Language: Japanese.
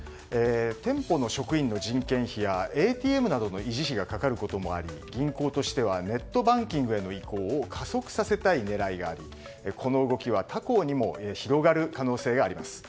店舗の職員の人件費やＡＴＭなどの維持費がかかることもあり銀行としてはネットバンキングへの移行を加速させたい狙いがありこの動きは他行にも広がる可能性があります。